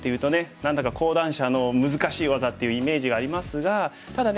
何だか高段者の難しい技っていうイメージがありますがただね